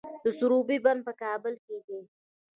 د سروبي بند په کابل کې دی